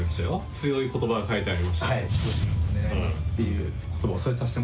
強いことばが書いてありました。